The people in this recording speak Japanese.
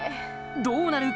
どうなる？